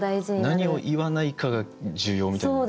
何を言わないかが重要みたいな。